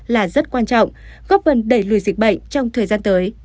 là rất quan trọng góp vần đẩy lùi dịch bệnh trong thời gian tới